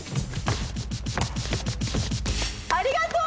ありがとう！